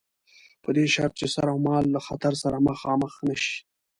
په دې شرط چې سر اومال له خطر سره مخامخ نه شي.